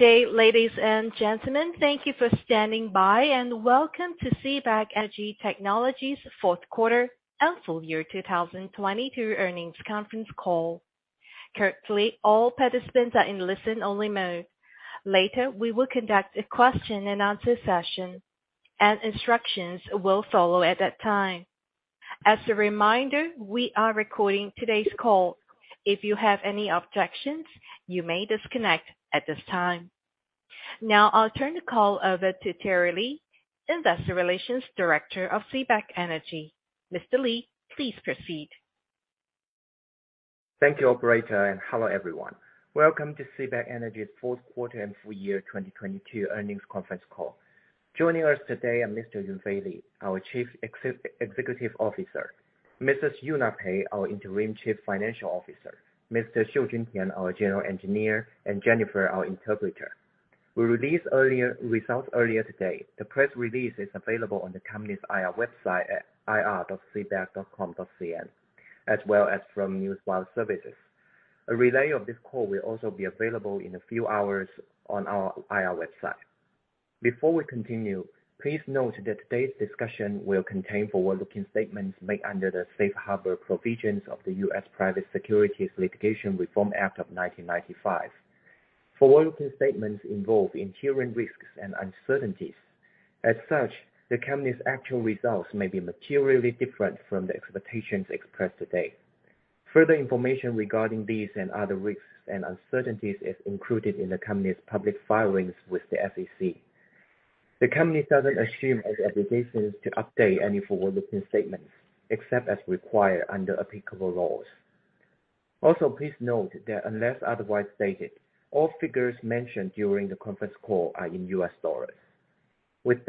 Good day, ladies and gentlemen. Thank you for standing by, and welcome to CBAK Energy Technology's fourth quarter and full year 2022 earnings conference call. Currently, all participants are in listen-only mode. Later, we will conduct a question-and-answer session, and instructions will follow at that time. As a reminder, we are recording today's call. If you have any objections, you may disconnect at this time. Now I'll turn the call over to Thierry Li, Director of Investor Relations of CBAK Energy Technology. Mr. Li, please proceed. Thank you, operator, and hello everyone. Welcome to CBAK Energy's fourth quarter and full year 2022 earnings conference call. Joining us today are Mr. Yunfei Li, our Chief Executive Officer, Mrs. Yunna Pei, our Interim Chief Financial Officer, Mr. Xiujun Tian, our General Engineer, and Jennifer, our interpreter. We released results earlier today. The press release is available on the company's IR website at ir.cbak.com.cn, as well as from Newswire Services. A relay of this call will also be available in a few hours on our IR website. Before we continue, please note that today's discussion will contain forward-looking statements made under the Safe Harbor Provisions of the U.S. Private Securities Litigation Reform Act of 1995. Forward-looking statements involve inherent risks and uncertainties. As such, the company's actual results may be materially different from the expectations expressed today. Further information regarding these and other risks and uncertainties is included in the company's public filings with the SEC. The company doesn't assume any obligations to update any forward-looking statements, except as required under applicable laws. Please note that unless otherwise stated, all figures mentioned during the conference call are in U.S. dollars. Let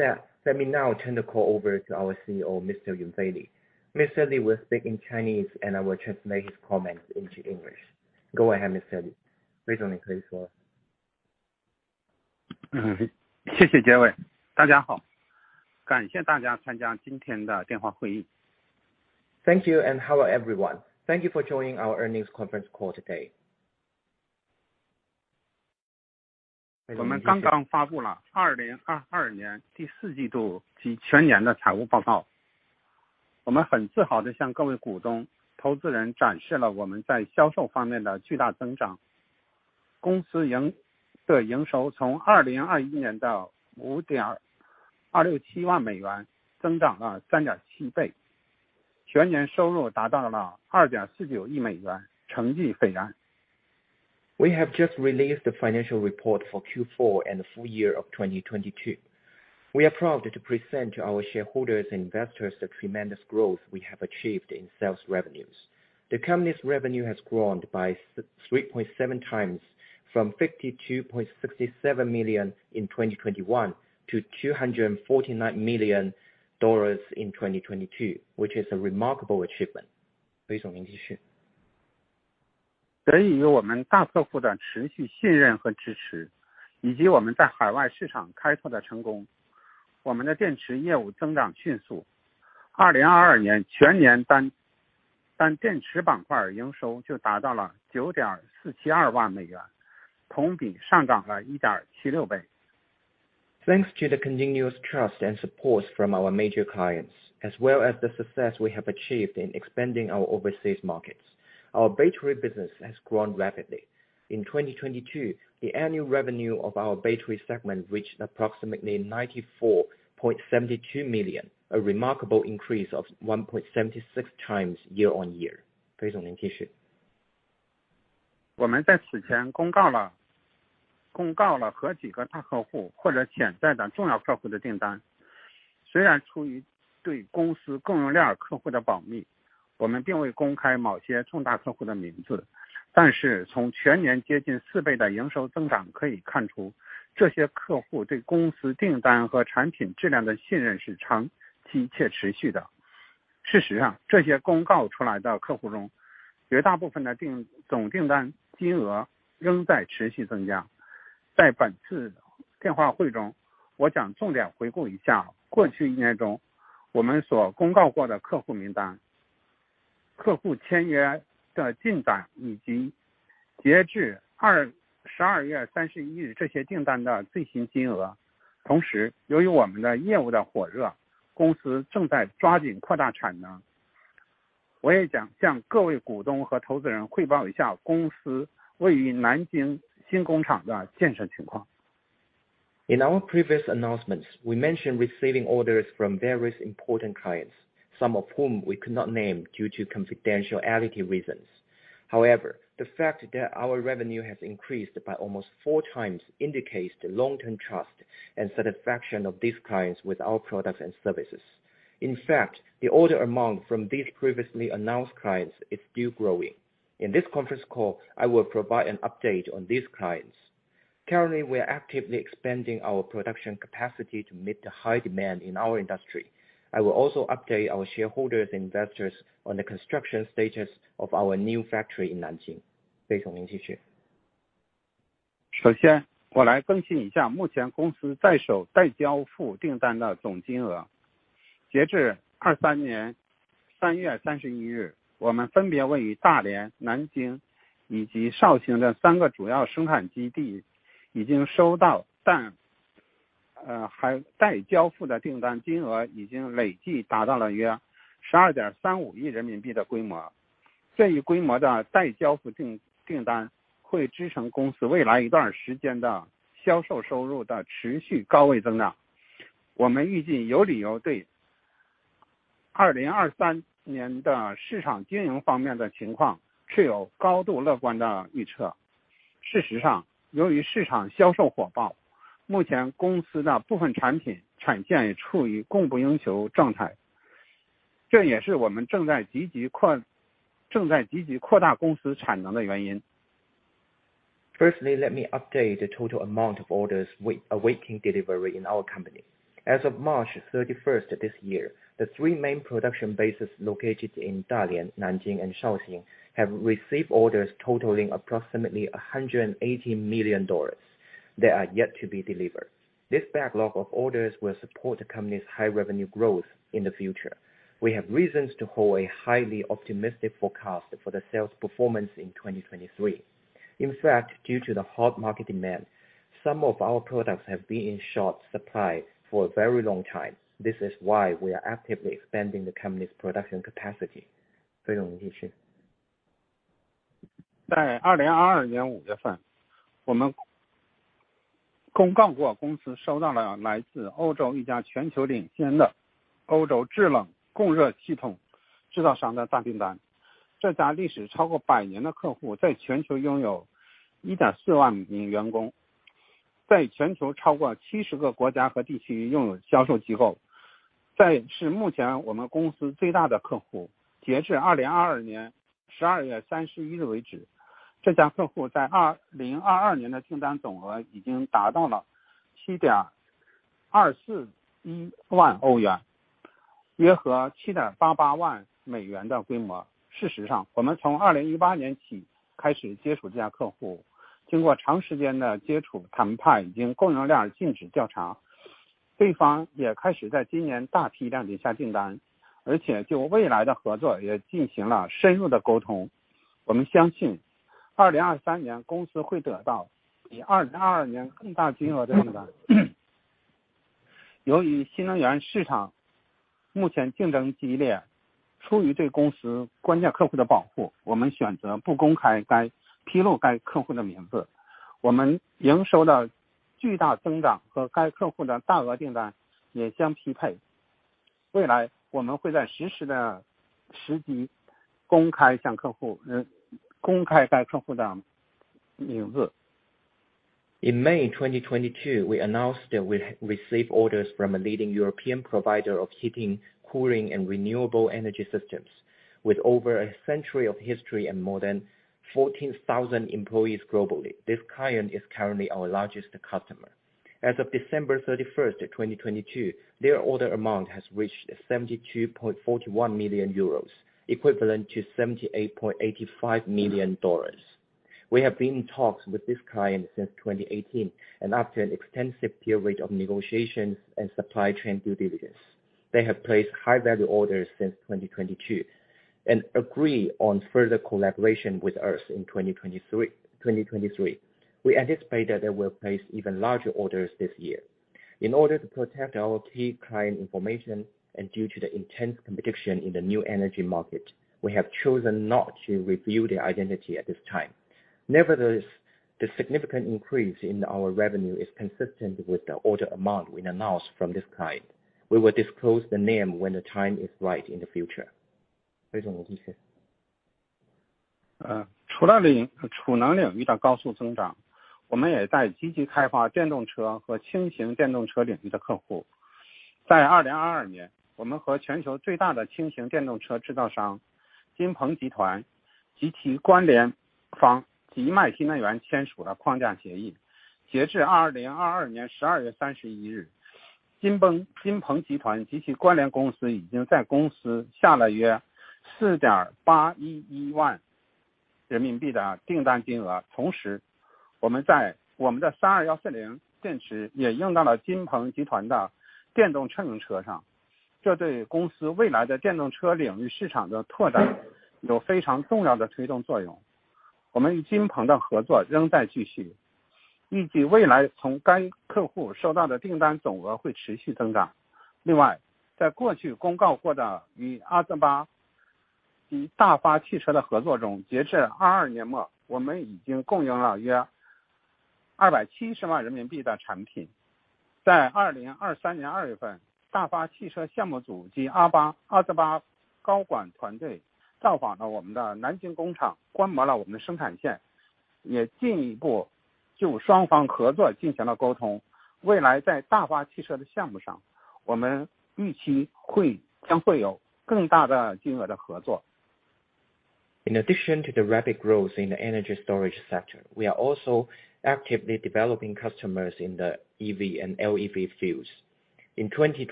me now turn the call over to our CEO, Mr. Yunfei Li. Mr. Li will speak in Chinese and I will translate his comments into English. Go ahead, Mr. Li. Thank you. Hello everyone. Thank you for joining our earnings conference call today. We have just released the financial report for Q4 and full year of 2022. We are proud to present to our shareholders and investors the tremendous growth we have achieved in sales revenues. The company's revenue has grown by 3.7x from $52.67 million in 2021 to $249 million in 2022, which is a remarkable achievement. Thanks to the continuous trust and support from our major clients, as well as the success we have achieved in expanding our overseas markets, our battery business has grown rapidly. In 2022, the annual revenue of our battery segment reached approximately $94.72 million, a remarkable increase of 1.76x year-over-year. We have announced orders from several major customers or potential important customers in previous announcements. Although out of confidentiality for the company's existing customers, we have not disclosed the names of some major customers, but from the full-year revenue growth of nearly 4x, it can be seen that these customers trust the company's orders and product quality is long-term and sustainable. Among these announced customers, the total order amount of most of them is still increasing. In today's conference call, I will focus on reviewing the customer list we have announced in the past year, the status of customer signings, and as of December 31st, the latest order amounts. Because of the popularity of our business, the company is speeding up the expansion of production capacity. I will also report to shareholders and investors on the construction status of the company's new factory in Nanjing. In our previous announcements, we mentioned receiving orders from various important clients, some of whom we could not name due to confidentiality reasons. The fact that our revenue has increased by almost 4x indicates the long-term trust and satisfaction of these clients with our products and services. The order amount from these previously announced clients is still growing. In this conference call, I will provide an update on these clients. Currently, we are actively expanding our production capacity to meet the high demand in our industry. I will also update our shareholders and investors on the construction status of our new factory in Nanjing.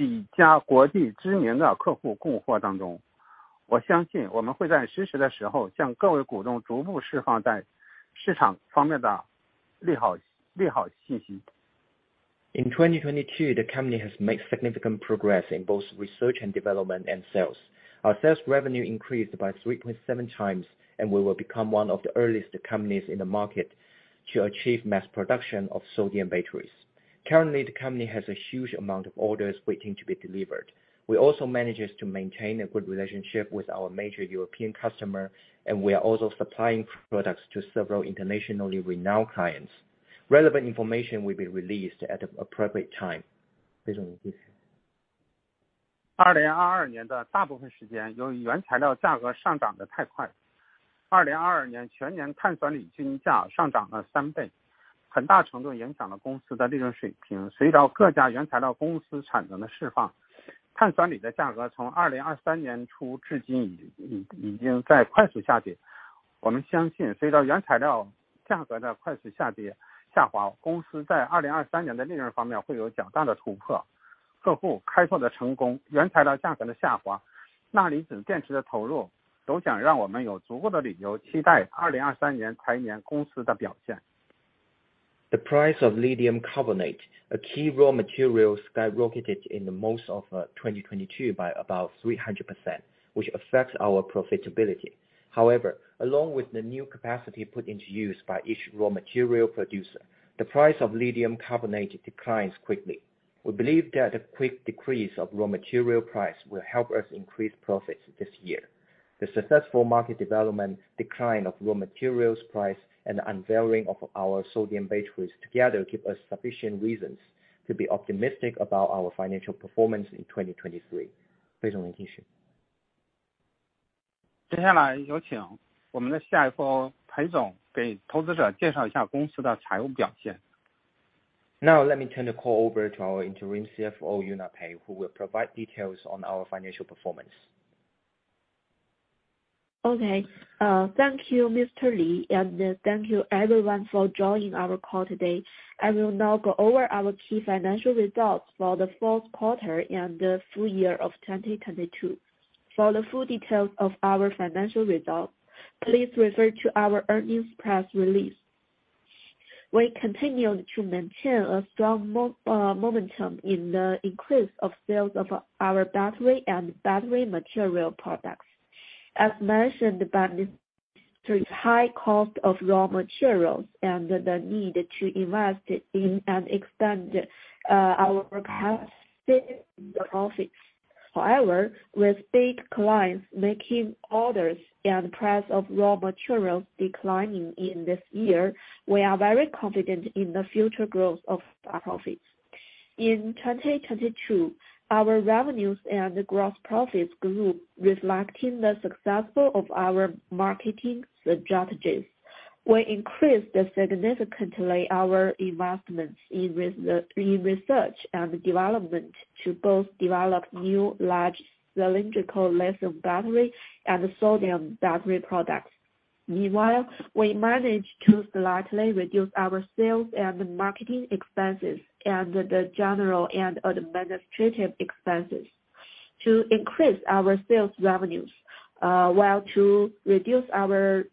In 2022, the company has made significant progress in both research and development and sales. Our sales revenue increased by 3.7x. We will become one of the earliest companies in the market to achieve mass production of sodium batteries. Currently, the company has a huge amount of orders waiting to be delivered. We also manages to maintain a good relationship with our major European customer. We are also supplying products to several internationally renowned clients. Relevant information will be released at the appropriate time. The price of lithium carbonate, a key raw material, skyrocketed in the most of 2022 by about 300%, which affects our profitability. However, along with the new capacity put into use by each raw material producer, the price of lithium carbonate declines quickly. We believe that a quick decrease of raw material price will help us increase profits this year. The successful market development, decline of raw materials price and the unveiling of our sodium batteries together give us sufficient reasons to be optimistic about our financial performance in 2023. Now let me turn the call over to our Interim CFO, Yunna Pei, who will provide details on our financial performance. Okay. Thank you, Mr. Li. Thank you everyone for joining our call today. I will now go over our key financial results for the fourth quarter and the full year of 2022. For the full details of our financial results, please refer to our earnings press release. We continue to maintain a strong momentum in the increase of sales of our battery and battery material products. As mentioned by Mr. Li, high cost of raw materials and the need to invest in and expand our capacity profits. With big clients making orders and price of raw materials declining in this year, we are very confident in the future growth of our profits. In 2022, our revenues and gross profits grew, reflecting the successful of our marketing strategies. We increased significantly our investments in research and development to both develop new large cylindrical lithium battery and sodium battery products. Meanwhile, we managed to slightly reduce our sales and marketing expenses and the general and administrative expenses to increase our sales revenues, while to reduce our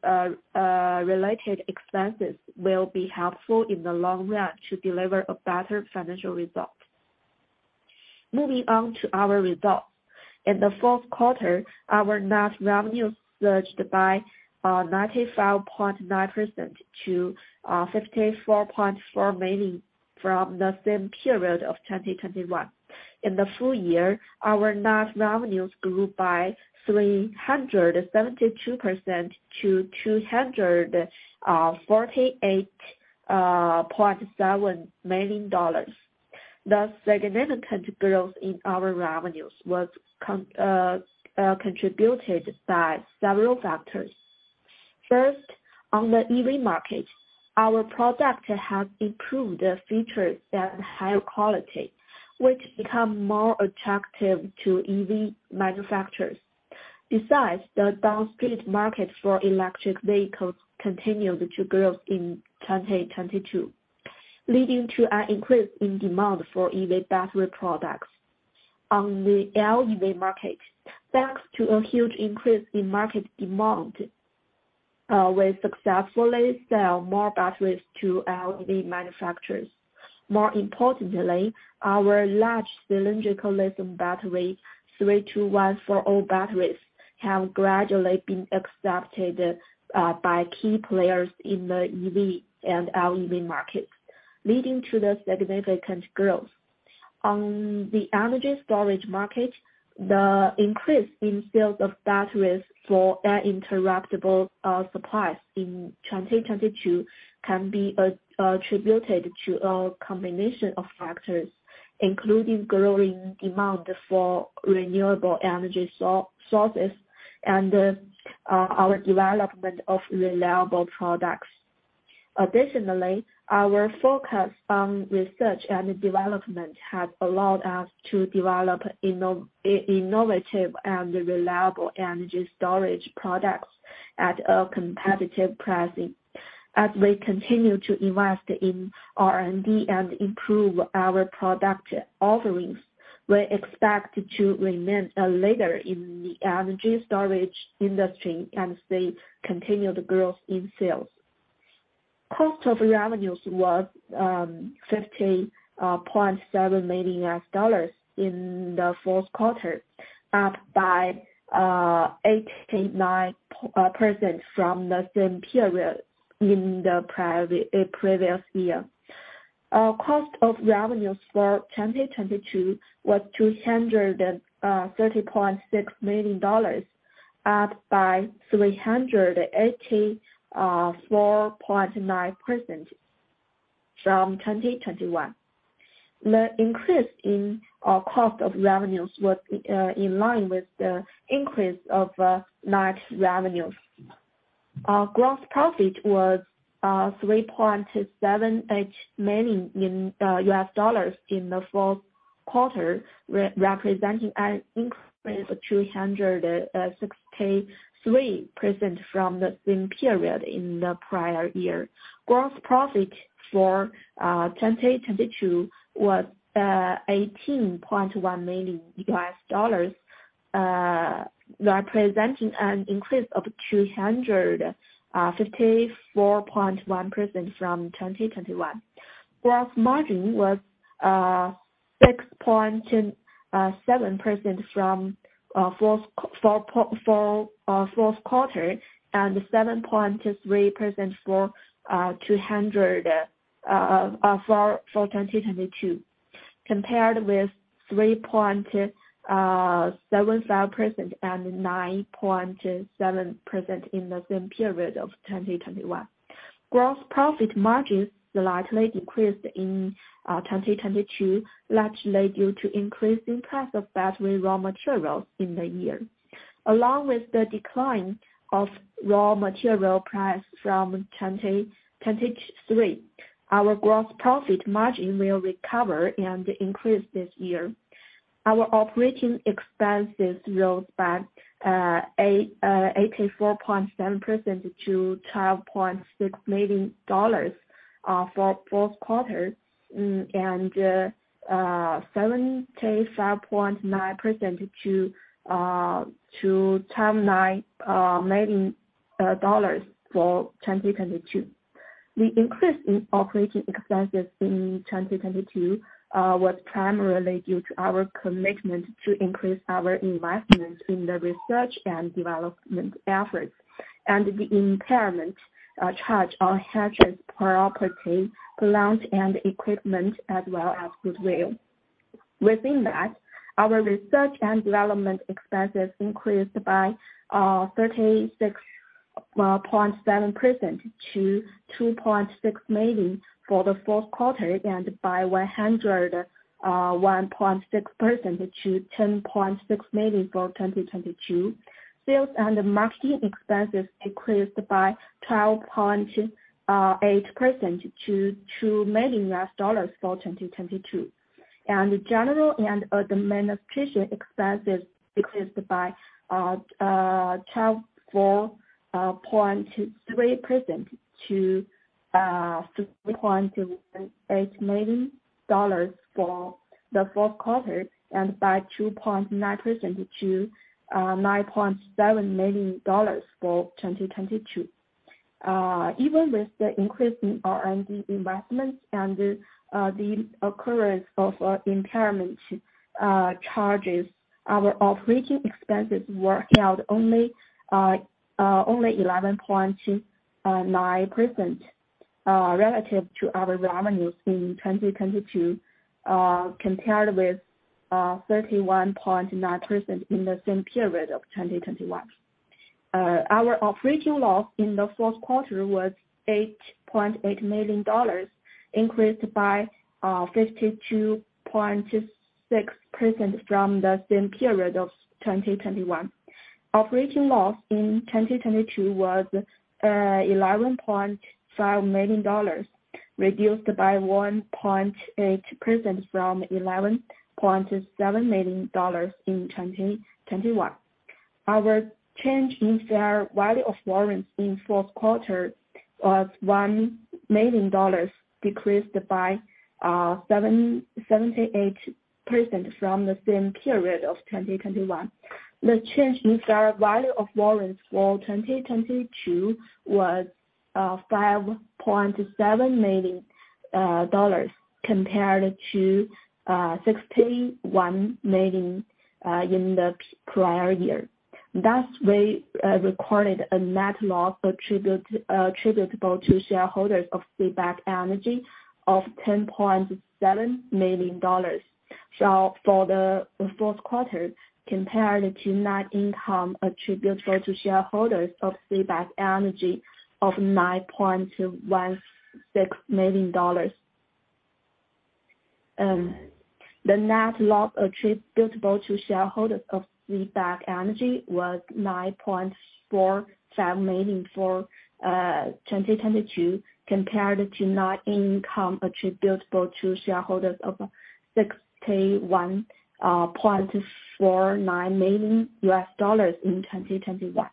related expenses will be helpful in the long run to deliver a better financial result. Moving on to our results. In the fourth quarter, our net revenue surged by 95.9% to $54.4 million from the same period of 2021. In the full year, our net revenues grew by 372% to $248.7 million. The significant growth in our revenues was contributed by several factors. First, on the EV market, our product has improved the features and higher quality, which become more attractive to EV manufacturers. The downstream market for electric vehicles continued to grow in 2022. Leading to an increase in demand for EV battery products. On the LEV market, thanks to a huge increase in market demand, we successfully sell more batteries to LEV manufacturers. More importantly, our large cylindrical lithium battery 32140 batteries have gradually been accepted by key players in the EV and LEV markets, leading to the significant growth. On the energy storage market, the increase in sales of batteries for uninterruptible power supplies in 2022 can be attributed to a combination of factors, including growing demand for renewable energy sources and our development of reliable products. Additionally, our focus on research and development has allowed us to develop innovative and reliable energy storage products at a competitive pricing. As we continue to invest in R&D and improve our product offerings, we're expect to remain a leader in the energy storage industry and see continued growth in sales. Cost of revenues was $50.7 million in the fourth quarter, up by 89% from the same period in the prior previous year. Our cost of revenues for 2022 was $230.6 million, up by 384.9% from 2021. The increase in our cost of revenues was in line with the increase of large revenues. Our gross profit was $3.7 million in U.S. dollars in the fourth quarter, representing an increase of 206.3% from the same period in the prior year. Gross profit for 2022 was $18.1 million, representing an increase of 254.1% from 2021. Gross margin was 6.7% from fourth quarter and 7.3% for 2022, compared with 3.75% and 9.7% in the same period of 2021. Gross profit margins slightly decreased in 2022, largely due to increase in price of battery raw materials in the year. Along with the decline of raw material price from 2023, our gross profit margin will recover and increase this year. Our operating expenses rose by 84.7% to $12.6 million for fourth quarter and 75.9% to $10.9 million for 2022. The increase in operating expenses in 2022 was primarily due to our commitment to increase our investment in the research and development efforts and the impairment charge on Hitrans's property, plant and equipment as well as goodwill. Within that, our research and development expenses increased by 36.7% to $2.6 million for the fourth quarter and by 101.6% to $10.6 million for 2022. Sales and marketing expenses decreased by 12.8% to $2 million for 2022. General and administration expenses decreased by 12.43% to $6.8 million for the fourth quarter and by 2.9% to $9.7 million for 2022. Even with the increase in R&D investments and the occurrence of impairment charges, our operating expenses were out only 11.9% relative to our revenues in 2022, compared with 31.9% in the same period of 2021. Our operating loss in the fourth quarter was $8.8 million, increased by 52.6% from the same period of 2021. Operating loss in 2022 was, $11.5 million, reduced by 1.8% from $11.7 million in 2021. Our change in fair value of warrants in fourth quarter was $1 million, decreased by 78% from the same period of 2021. The change in fair value of warrants for 2022 was $5.7 million compared to $61 million in the prior year. Thus, we recorded a net loss attributable to shareholders of CBAK Energy Technology of $10.7 million. For the fourth quarter, compared to net income attributable to shareholders of CBAK Energy Technology of $9.16 million. The net loss attributable to shareholders of CBAK Energy Technology was $9.47 million for 2022, compared to net income attributable to shareholders of $61.49 million in 2021.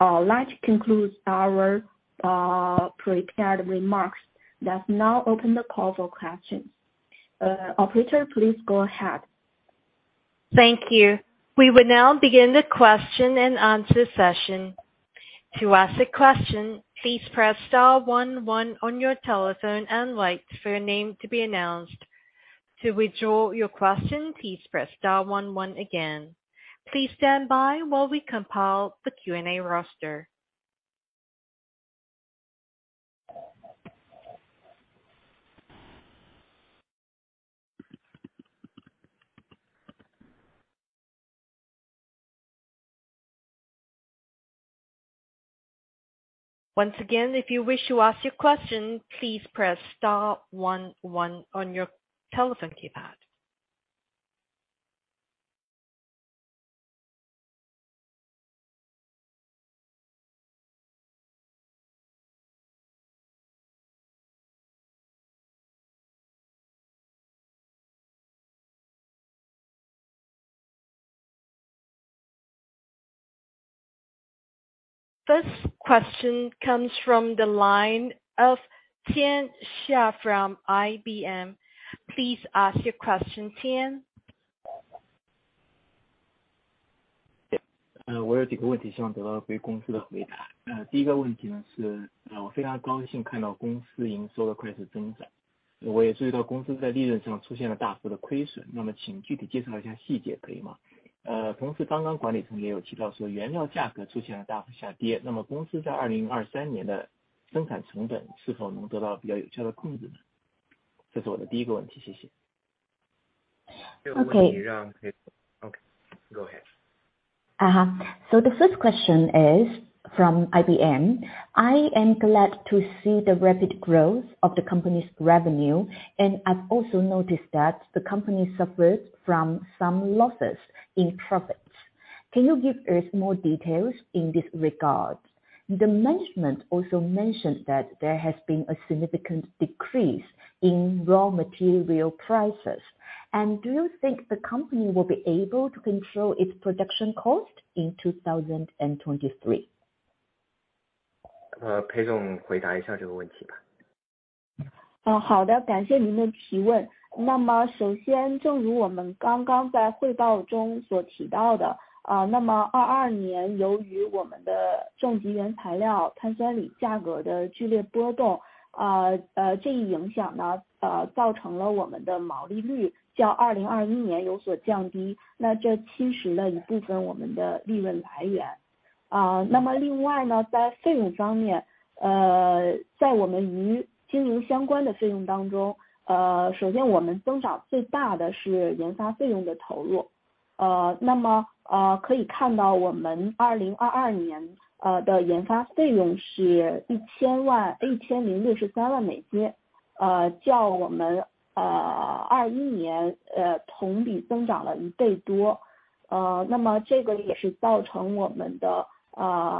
That concludes our prepared remarks. Let's now open the call for questions. Operator, please go ahead. Thank you. We will now begin the question and answer session. To ask a question, please press star one one on your telephone and wait for your name to be announced. To withdraw your question, please press star one one again. Please stand by while we compile the Q&A roster. Once again, if you wish to ask your question, please press star one one on your telephone keypad. First question comes from the line of Tian Xia from IBM. Please ask your question, Tian. Uh, Okay. The first question is from IBM. I am glad to see the rapid growth of the company's revenue, and I've also noticed that the company suffered from some losses in profits. Can you give us more details in this regard? The management also mentioned that there has been a significant decrease in raw material prices. Do you think the company will be able to control its production cost in 2023? Uh.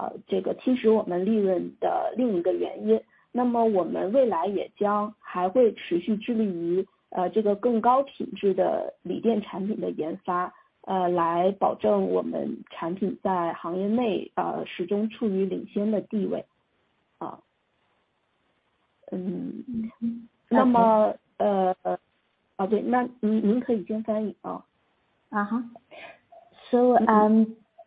Uh,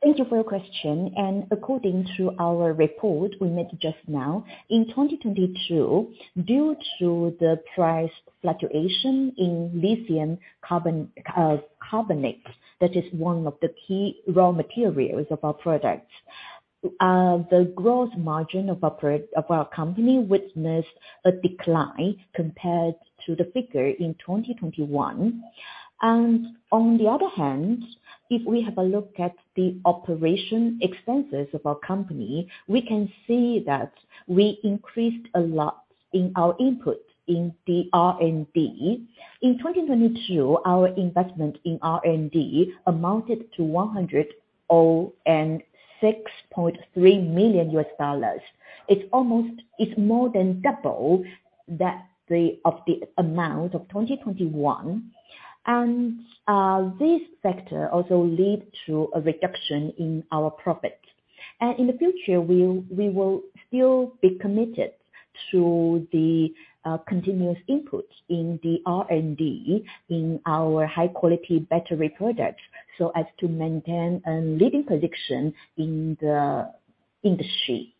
Thank you for your question. According to our report we made just now, in 2022, due to the price fluctuation in lithium carbonate, that is one of the key raw materials of our products. The gross margin of our company witnessed a decline compared to the figure in 2021. On the other hand, if we have a look at the operation expenses of our company, we can see that we increased a lot in our input in the R&D. In 2022, our investment in R&D amounted to $106.3 million. It's more than double the amount of 2021. This factor also lead to a reduction in our profit. In the future, we will still be committed-Through the continuous input in the R&D in our high quality battery products so as to maintain a leading position in the industry.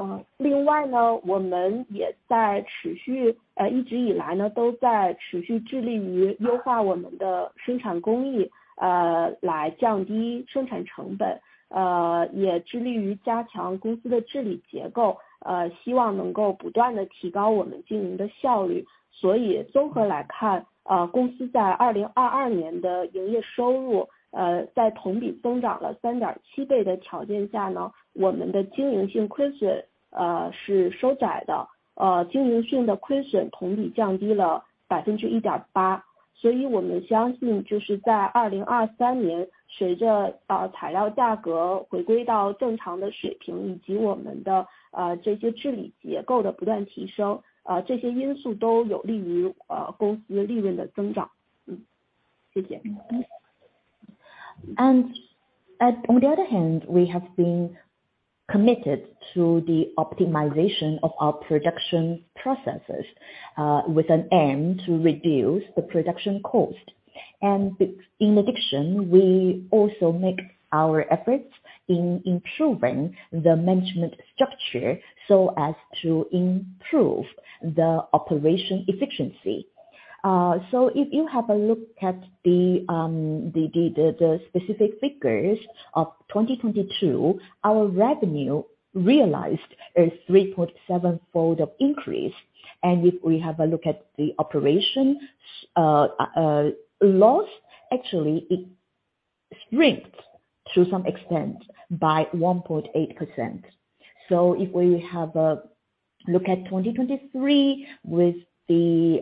嗯。呃， 另外 呢， 我们也在持 续， 呃， 一直以来 呢， 都在持续致力于优化我们的生产工 艺， 呃， 来降低生产成 本， 呃， 也致力于加强公司的治理结 构， 呃， 希望能够不断地提高我们经营的效率。所以综合来 看， 呃， 公司在2022年的营业收 入， 呃， 在同比增长了三点七倍的条件下 呢， 我们的经营性亏损， 呃， 是收窄 的， 呃， 经营性的亏损同比降低了百分之一点八。所以我们相 信， 就是在2023 年， 随 着， 呃， 材料价格回归到正常的水 平， 以及我们 的， 呃， 这些治理结构的不断提 升， 呃， 这些因素都有利 于， 呃， 公司利润的增长。嗯， 谢谢。On the other hand, we have been committed to the optimization of our production processes with an aim to reduce the production cost. In addition, we also make our efforts in improving the management structure so as to improve the operation efficiency. If you have a look at the specific figures of 2022, our revenue realized a 3.7x fold of increase. If we have a look at the operation loss, actually it shrinks to some extent by 1.8%. If we have a look at 2023 with the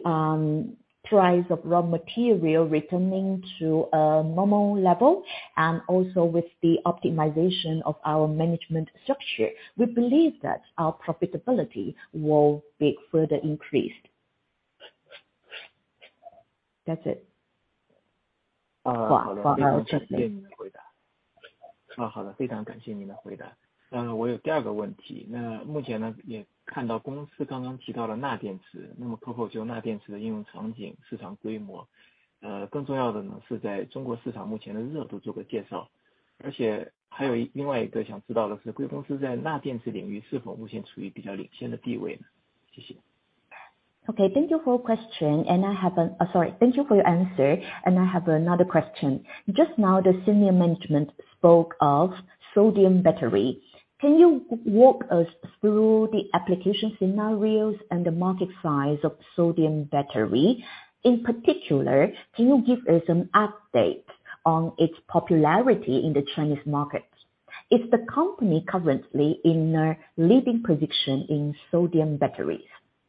price of raw material returning to a normal level, and also with the optimization of our management structure, we believe that our profitability will be further increased. That's it. 好 的， 非常感谢您的回答。我有第二个问 题， 那目前 呢， 也看到公司刚刚提到了钠电 池， 可否就钠电池的应用场景、市场规 模， 更重要的 呢， 是在中国市场目前的热度做个介绍。另外一个想知道的 是， 贵公司在钠电池领域是否目前处于比较领先的地位 呢？ 谢谢。Thank you for question. Sorry, thank you for your answer. I have another question. Just now the senior management spoke of sodium battery. Can you walk us through the application scenarios and the market size of sodium battery? In particular, can you give us an update on its popularity in the Chinese market? Is the company currently in a leading position in sodium batteries?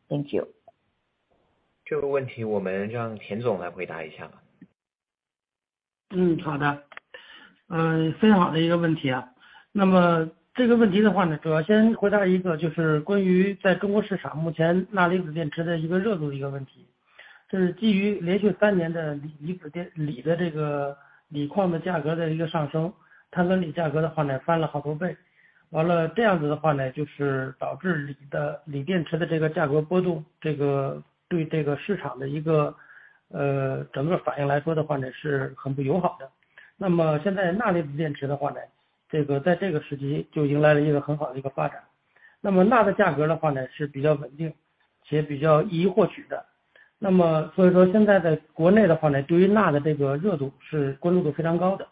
Thank you. 这个问题我们让田总来回答一下 吧. 嗯， 好的。嗯， 非常好的一个问题啊。那么这个问题的话 呢， 主要先回答一 个， 就是关于在中国市场目前钠离子电池的一个热度的一个问 题， 这是基于连续三年的 锂， 锂 电， 锂的这个锂矿的价格的一个上 升， 碳酸锂价格的话 呢， 翻了好几倍。完了这样子的话 呢， 就是导致锂 的， 锂电池的这个价格波 动， 这个对这个市场的一 个， 呃， 整个反应来说的话 呢， 是很不友好的。那么现在钠离子电池的话呢，这个在这个时期就迎来了一个很好的一个发展。那么钠的价格的话 呢， 是比较稳定且比较易获取的。那么所以说现在在国内的话 呢， 对于钠的这个热度是关注度非常高的。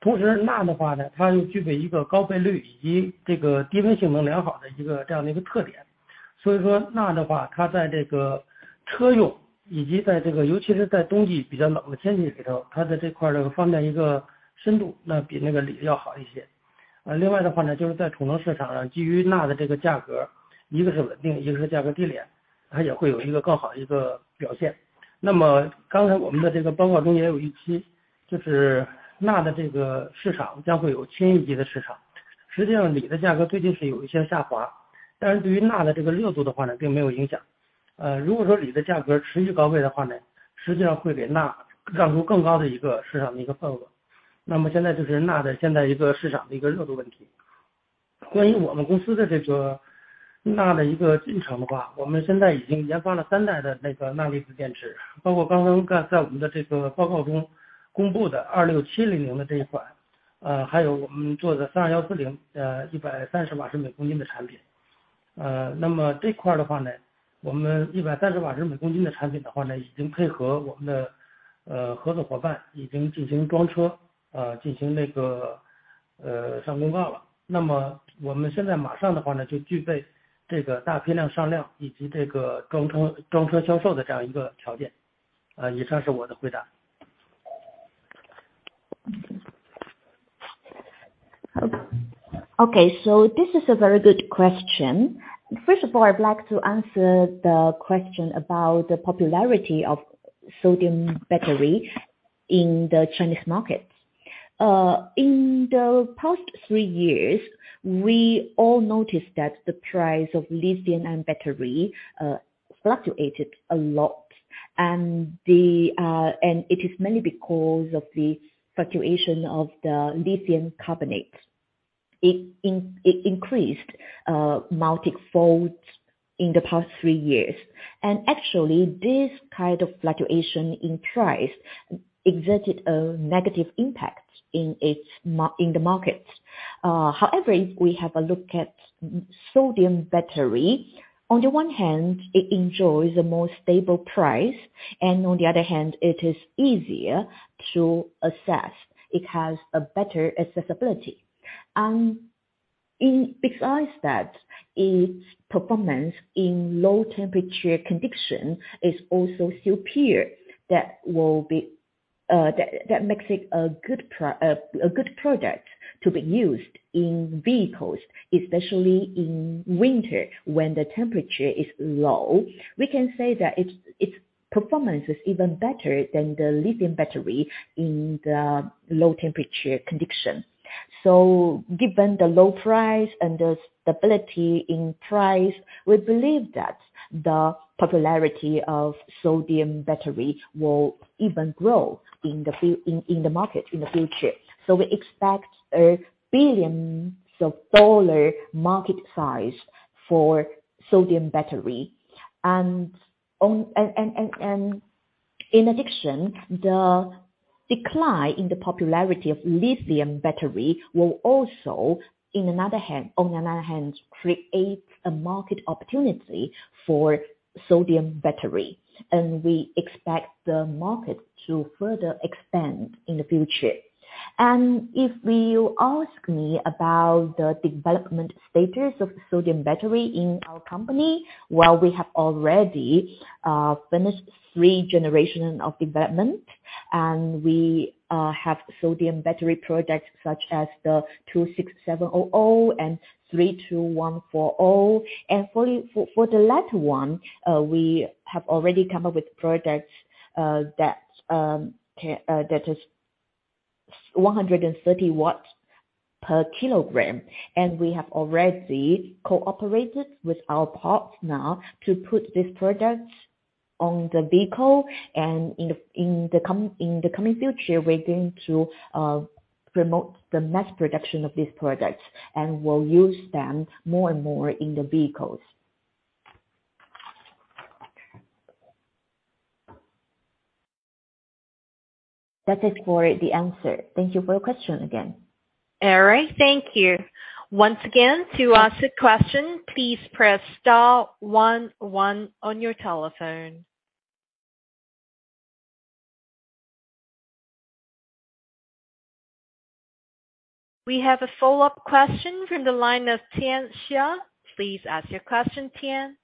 同时钠的话 呢， 它又具备一个高倍率以及这个低温性能良好的一个这样的一个特点。所以说钠的 话， 它在这个车用以及在这 个， 尤其是在冬季比较冷的天气里 头， 它在这块这个方面一个深 度， 那比那个锂要好一些。呃， 另外的话 呢， 就是在储能市场 上， 基于钠的这个价 格， 一个是稳 定， 一个是价格低 廉， 它也会有一个更好的一个表现。那么刚才我们的这个报告中也有一 期， 就是钠的这个市场将会有千亿级的市场。实际上锂的价格最近是有一些下 滑， 但是对于钠的这个热度的话 呢， 并没有影响。呃， 如果说锂的价格持续高位的话 呢， 实际上会给钠让出更高的一个市场的一个份额。那么现在就是钠的现在一个市场的一个热度问题。关于我们公司的这个钠的一个进程的 话， 我们现在已经研发了三代的那个钠离子电 池， 包括刚刚 在， 在我们的这个报告中公布的2670的这一 款， 呃， 还有我们做的 32140， 呃， 一百三十瓦时每公斤的产品。呃， 那么这块的话 呢， 我们一百三十瓦时每公斤的产品的话 呢， 已经配合我们 的， 呃， 合作伙伴已经进行装车， 呃， 进行那 个， 呃， 上工挂了。那么我们现在马上的话 呢， 就具备这个大批量上量以及这个装 车， 装车销售的这样一个条件。呃， 以上是我的回答。This is a very good question. First of all, I'd like to answer the question about the popularity of sodium battery in the Chinese markets. In the past three years, we all notice that the price of lithium-ion battery fluctuate a lot. It is mainly because of the fluctuation of the lithium carbonate. It increased multifold in the past three years. Actually this kind of fluctuation in price exerted a negative impact in its market. However, if we have a look at sodium battery, on the one hand, it enjoys a more stable price, and on the other hand, it is easier to assess. It has a better accessibility. Besides that, its performance in low temperature condition is also superior. That will be, that makes it a good product to be used in vehicles, especially in winter when the temperature is low. We can say that its performance is even better than the lithium battery in the low temperature condition. Given the low price and the stability in price, we believe that the popularity of sodium battery will even grow in the market in the future. We expect a billions of dollars market size for sodium battery. In addition, the decline in the popularity of lithium battery will also, on another hand, create a market opportunity for sodium battery, and we expect the market to further expand in the future. If you ask me about the development status of the sodium battery in our company, well, we have already finished three generations of development, and we have sodium battery products such as the 26700 and 32140. For the latter one, we have already come up with products that is 130 W per kg. We have already cooperated with our partners now to put these products on the vehicle. In the coming future, we're going to promote the mass production of these products, and we'll use them more and more in the vehicles. That's it for the answer. Thank you for your question again. All right. Thank you. Once again, to ask a question, please press star one one on your telephone. We have a follow-up question from the line of Tian Xia. Please ask your question, Tian.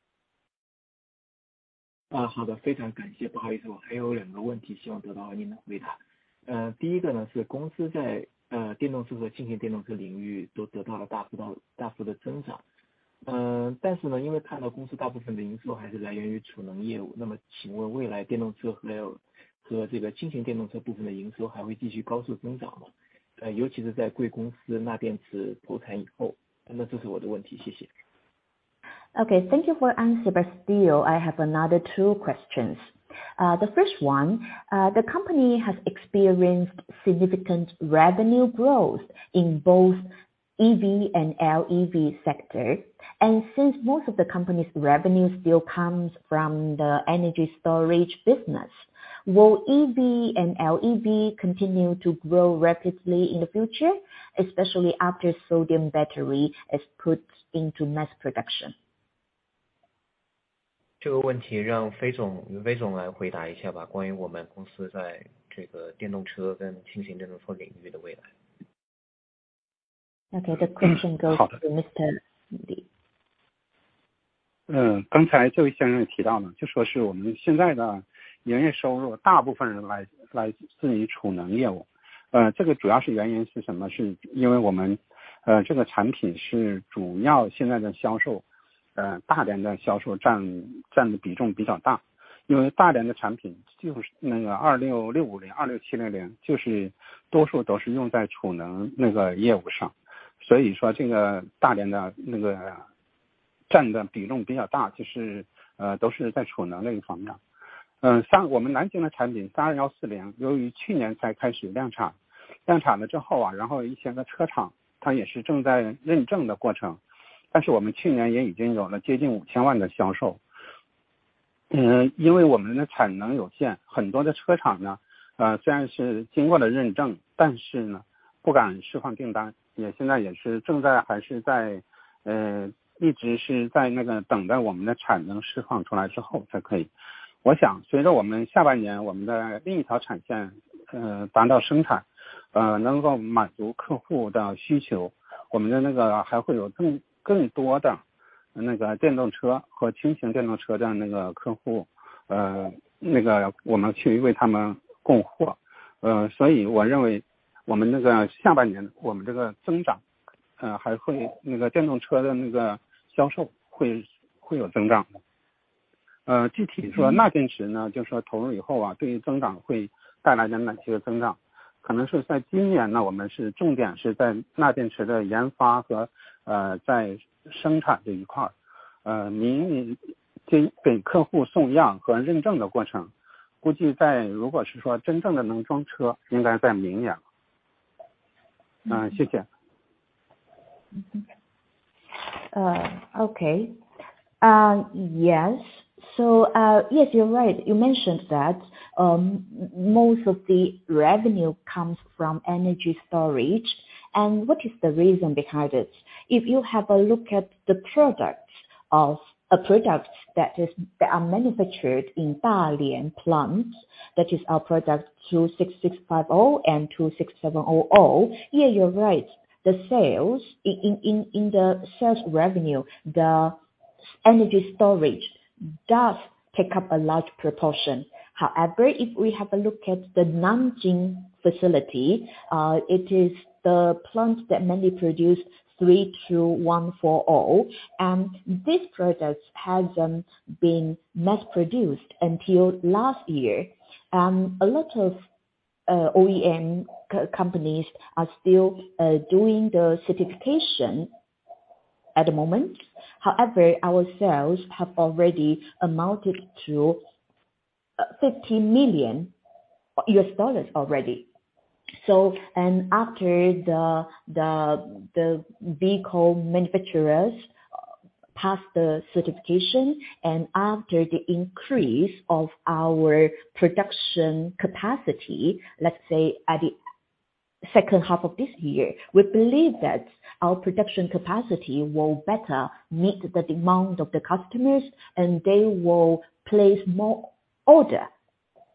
Uh, 好 的， 非常感谢。不好意 思， 我还有两个问题希望得到您的回答。呃， 第一个 呢， 是公司 在， 呃， 电动车和轻型电动车领域都得到了大幅 到， 大幅的增长。呃， 但是 呢， 因为看到公司大部分的营收还是来源于储能业 务， 那么请问未来电动车还 有， 和这个轻型电动车部分的营收还会继续高速增长吗？ 呃， 尤其是在贵公司钠电池投产以后。那么这是我的问题。谢谢。Okay. Thank you for answer, but still I have another two questions. The first one: the company has experienced significant revenue growth in both EV and LEV sector. Since most of the company's revenue still comes from the energy storage business, will EV and LEV continue to grow rapidly in the future, especially after sodium battery is put into mass production? 这个问题让 费总， 费总来回答一下 吧， 关于我们公司在这个电动车跟轻型电动车领域的未来。Okay, the question goes to Mr. Li. 嗯， 刚才这位先生也提到 了， 就说是我们现在的营业收入大部分 来， 来自于储能业 务， 呃， 这个主要是原因是什 么？ 是因为我 们， 呃， 这个产品是主要现在的销 售， 呃， 大连的销售 占， 占的比重比较 大， 因为大连的产品就是那个二六六五零、二六七零 零， 就是多数都是用在储能那个业务上。所以说这个大连的那个占的比重比较 大， 就 是， 呃， 都是在储能这个方面。嗯， 三， 我们南京的产品三二幺四 零， 由于去年才开始量 产， 量产了之后 啊， 然后一些的车厂它也是正在认证的过 程， 但是我们去年也已经有了接近五千万的销售。嗯， 因为我们的产能有 限， 很多的车厂 呢， 呃， 虽然是经过了认 证， 但是呢不敢释放订 单， 也现在也是正在还是 在， 呃， 一直是在那个等待我们的产能释放出来之后才可以。我想随着我们下半年我们的另一条产 线， 呃， 达到生 产， 呃， 能够满足客户的需 求， 我们的那个还会有 更， 更多的那个电动车和轻型电动车的那个客 户， 呃， 那个我们去为他们供货。呃， 所以我认为我们这个下半 年， 我们这个增 长， 呃， 还 会， 那个电动车的那个销售 会， 会有增长。呃， 具体说钠电池 呢， 就说投入以后 啊， 对于增长会带来一定的这个增长。可能是在今年 呢， 我们是重点是在钠电池的研发和 呃， 在生产这一 块， 呃， 明年 给， 给客户送样和认证的过 程， 估计在如果是说真正的能装 车， 应该在明年。嗯， 谢谢。Okay, yes, you're right, you mentioned that most of the revenue comes from energy storage and what is the reason behind it? If you have a look at the product that are manufactured in Dalian plant, that is our product 26650 and 26700. Yeah, you're right. The sales in the sales revenue, the energy storage does take up a large proportion. However if we have a look at the Nanjing facility, it is the plant that mainly produce 32140, and this product hasn't been mass produced until last year. A lot of OEM companies are still doing the certification at the moment. However, our sales have already amounted to $50 million already. And after the vehicle manufacturers pass the certification, and after the increase of our production capacity, let's say at the second half of this year, we believe that our production capacity will better meet the demand of the customers and they will place more order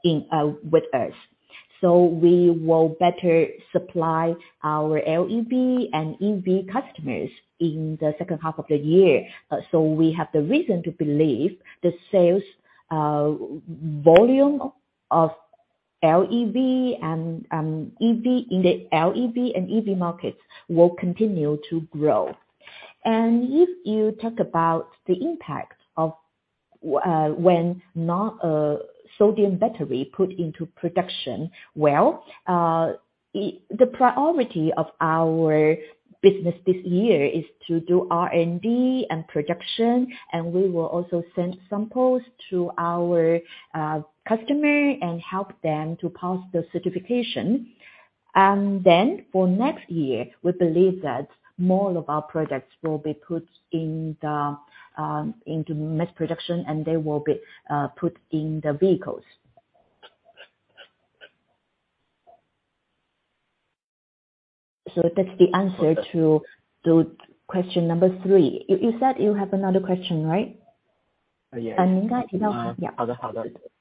with us. We will better supply our LEV and EV customers in the second half of the year. We have the reason to believe the sales volume of LEV and EV in the LEV and EV markets will continue to grow. If you talk about the impact of when sodium battery put into production. The priority of our business this year is to do R&D and production, and we will also send samples to our customer and help them to pass the certification. For next year, we believe that more of our products will be put into mass production, and they will be put in the vehicles. That's the answer to the question number 3. You said you have another question, right? Yeah。您刚才提到-好的好 的， 呃， 非常感谢。我有最后一个问 题， 谢谢。呃， 在过去的几次电话会 中， 呃， 贵司曾经提到过你们正在开发更大型的圆柱形电 池， 那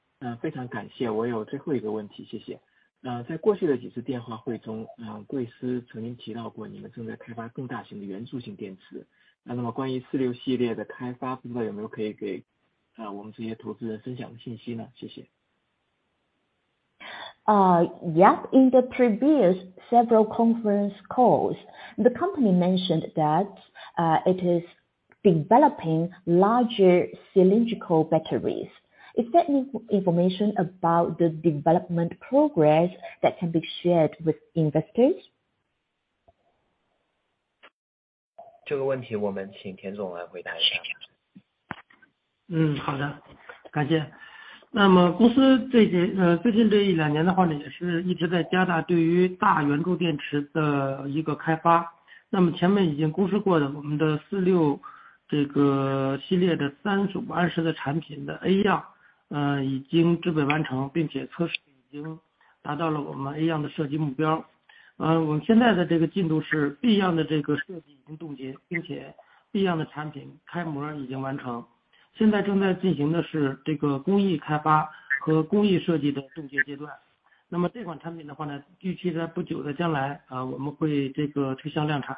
么关于四六系列的开 发， 不知道有没有可以 给， 呃， 我们这些投资人分享的信息 呢？ 谢谢。Yes, in the previous several conference calls, the company mentioned that it is developing larger cylindrical batteries. Is there any information about the development progress that can be shared with investors? 这个问题我们请 Xiujun Tian 来回答一 下. 嗯， 好 的， 感谢。那么公司最 近， 呃， 最近这一两年的话 呢， 也是一直在加大对于大圆柱电池的一个开发。那么前面已经公示过的我们的四六这个系列的三十五安时的产品的 A 样， 呃， 已经制备完 成， 并且测试已经达到了我们 A 样的设计目标。呃， 我们现在的这个进度是 B 样的这个设计已经冻 结， 并且 B 样的产品开模已经完 成， 现在正在进行的是这个工艺开发和工艺设计的冻结阶段。那么这款产品的话 呢， 预计在不久的将 来， 啊， 我们会这个推向量产。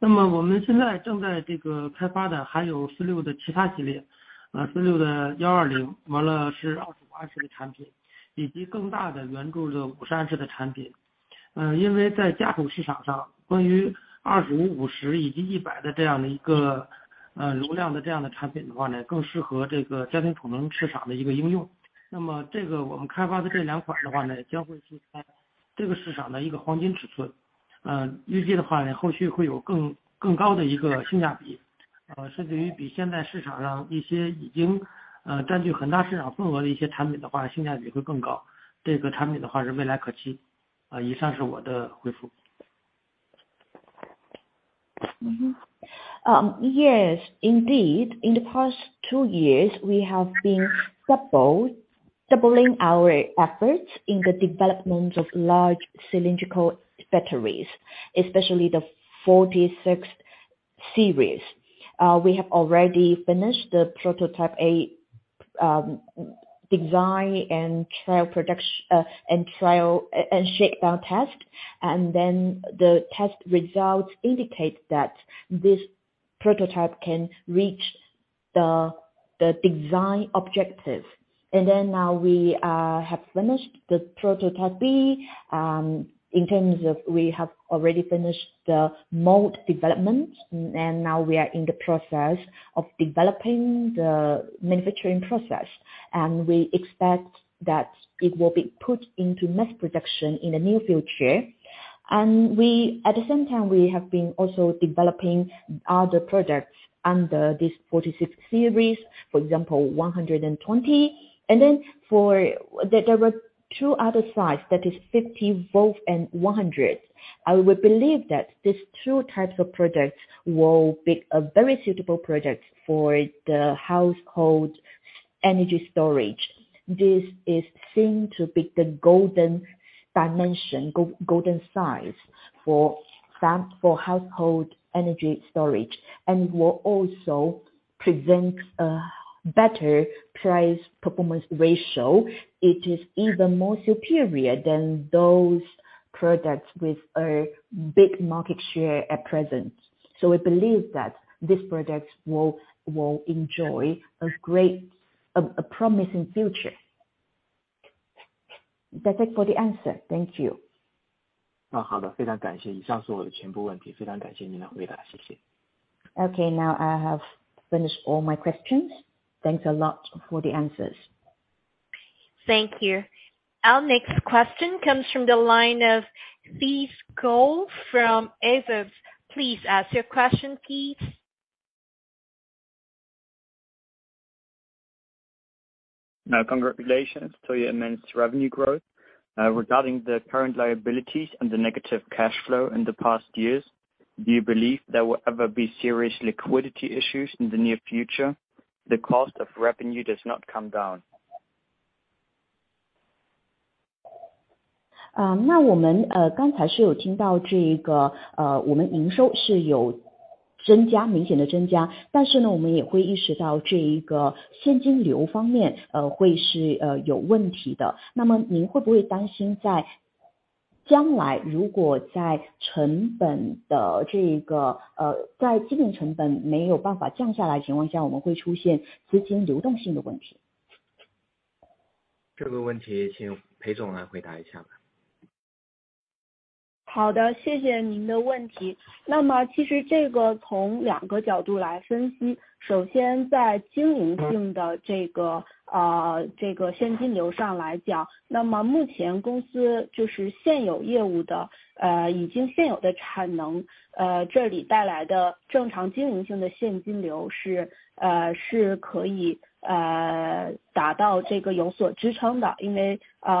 那么我们现在正在这个开发的还有四六的其他系列， 呃， 四六的幺二 零， 完了是二十五安时的产 品， 以及更大的圆柱的五十三时的产品。呃， 因为在家用市场 上， 关于二十五、五十以及一百的这样的一 个， 呃， 容量的这样的产品的话 呢， 更适合这个家庭储能市场的一个应用。那么这个我们开发的这两款的话 呢， 将会是这个市场的一个黄金尺 寸， 嗯， 预计的话 呢， 后续会有 更， 更高的一个性价 比， 呃， 甚至于比现在市场上一些已 经， 呃， 占据很大市场份额的一些产品的 话， 性价比会更高。这个产品的话是未来可期。呃， 以上是我的回复。Yes, indeed. In the past two years, we have been doubling our efforts in the development of large cylindrical batteries, especially the 46 series. We have already finished the prototype A design and trial product and trial and shake down test. The test results indicate that this prototype can reach the design objectives. Now we have finished the prototype B in terms of we have already finished the mold development, and now we are in the process of developing the manufacturing process, and we expect that it will be put into mass production in the near future. At the same time, we have been also developing other products under this 46 series. For example, 120. For there were two other slides that is 50 volt and 100. We believe that these two types of products will be a very suitable product for the household energy storage. This is seen to be the golden dimension, golden size for household energy storage, and will also present a better price-performance ratio. It is even more superior than those products with a big market share at present. We believe that these products will enjoy a promising future. That's it for the answer. Thank you. Okay. Now, I have finished all my questions. Thanks a lot for the answers. Thank you. Our next question comes from the line of Keith Kohl from Hedgeye. Please ask your question, Keith. Congratulations to your immense revenue growth. Regarding the current liabilities and the negative cash flow in the past years, do you believe there will ever be serious liquidity issues in the near future? The cost of revenue does not come down. Uh, 好 的， 谢谢您的问题。其实从两个角度来分 析， 首先在经营性的现金流上来 讲， 目前公司就是现有业务的已经现有的产能这里带来的正常经营性的现金流是可以达到有所支撑的。因为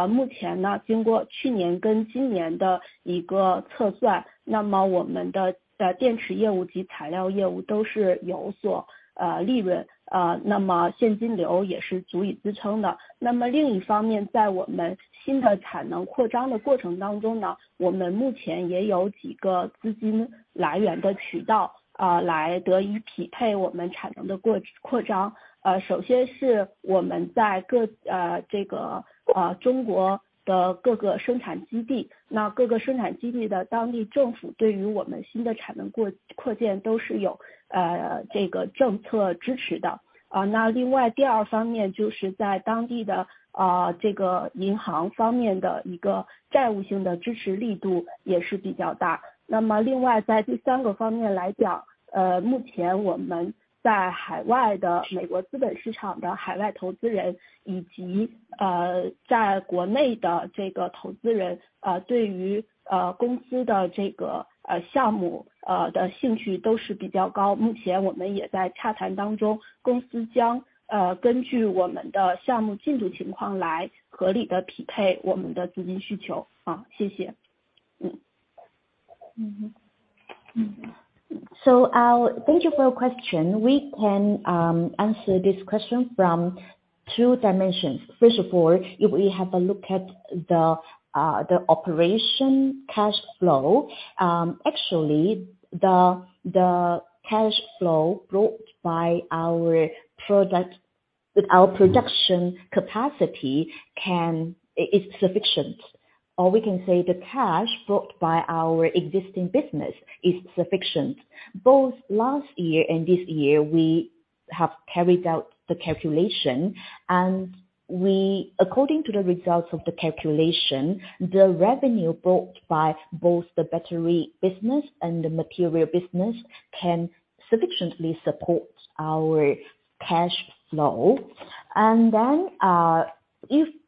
目前呢经过去年跟今年的一个测 算， 我们的在电池业务及材料业务都是有所利 润， 现金流也是足以支撑的。另一方 面， 在我们新的产能扩张的过程当中 呢， 我们目前也有几个资金来源的渠道来得以匹配我们产能的扩张。首先是我们在各个中国的各个生产基 地， 各个生产基地的当地政府对于我们新的产能扩建都是有政策支持的。另外第二方面就是在当地的银行方面的一个债务性的支持力度也是比较大。另外在第三个方面来 讲， 目前我们在海外的 U.S. 资本市场的海外投资 人， 以及在国内的投资人对于公司的项目的兴趣都是比较高。目前我们也在洽谈当 中， 公司将根据我们的项目进度情况来合理地匹配我们的资金需求。谢谢。I'll thank you for your question. We can answer this question from two dimensions. First of all, if we have a look at the operation cash flow, actually the cash flow brought by our product with our production capacity can. It's sufficient. Or we can say the cash brought by our existing business is sufficient. Both last year and this year, we have carried out the calculation and we according to the results of the calculation, the revenue brought by both the battery business and the material business can sufficiently support our cash flow. If and,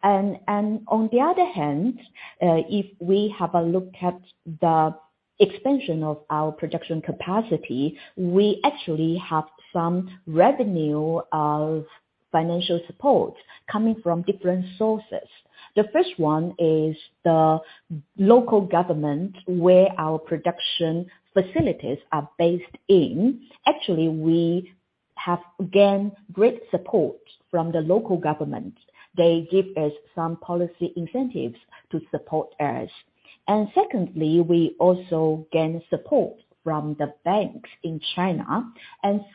on the other hand, if we have a look at the expansion of our production capacity, we actually have some revenue of financial support coming from different sources. The first one is the local government, where our production facilities are based in. Actually, we have gained great support from the local government. They give us some policy incentives to support us. Secondly, we also gain support from the banks in China.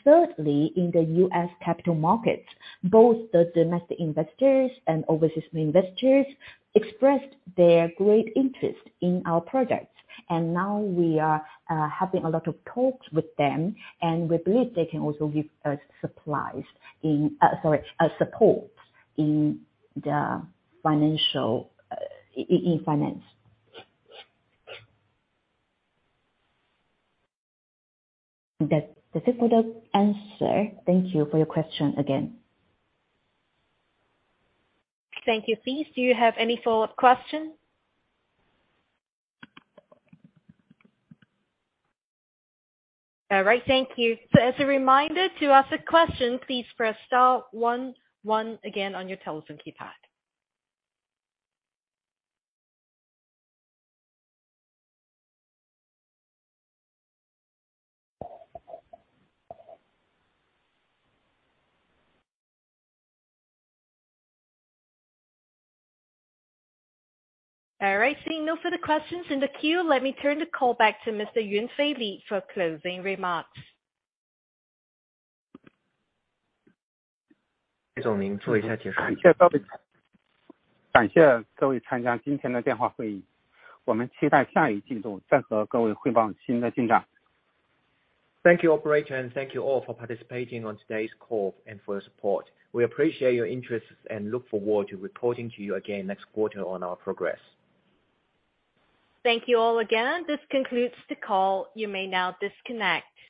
Thirdly, in the U.S. capital markets, both the domestic investors and overseas investors expressed their great interest in our products. Now we are having a lot of talks with them, and we believe they can also give us supplies in, sorry, a support in the financial, in finance. That's it for the answer. Thank you for your question again. Thank you. Keith, do you have any follow-up questions? All right. Thank you. As a reminder to ask a question, please press star one again on your telephone keypad. All right. Seeing no further questions in the queue, let me turn the call back to Mr. Yunfei Li for closing remarks. Thank you, operator, and thank you all for participating on today's call and for your support. We appreciate your interest and look forward to reporting to you again next quarter on our progress. Thank you all again. This concludes the call. You may now disconnect.